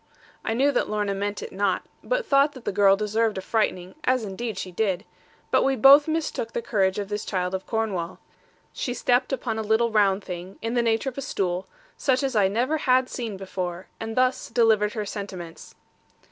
I knew that Lorna meant it not; but thought that the girl deserved a frightening; as indeed she did. But we both mistook the courage of this child of Cornwall. She stepped upon a little round thing, in the nature of a stool, such as I never had seen before, and thus delivered her sentiments.